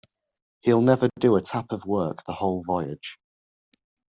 He'll never do a tap of work the whole Voyage.